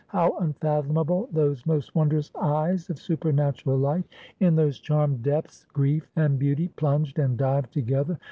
How unfathomable those most wondrous eyes of supernatural light! In those charmed depths, Grief and Beauty plunged and dived together.